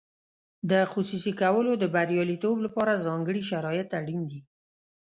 د خصوصي کولو د بریالیتوب لپاره ځانګړي شرایط اړین دي.